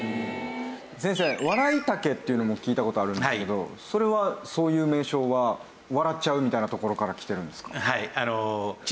先生「ワライタケ」っていうのも聞いた事あるんですけどそれはそういう名称は「笑っちゃう」みたいなところからきてるんですか？